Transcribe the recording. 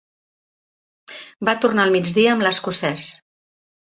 Va tornar al migdia amb l'escocès.